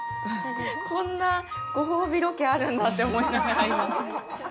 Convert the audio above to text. こんなご褒美ロケあるんだって思いながら、今。